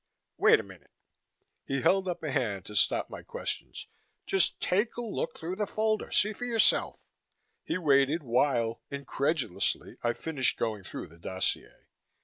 Wait a minute " he held up a hand to stop my questions "just take a look through the folder. See for yourself." He waited while, incredulously, I finished going through the dossier.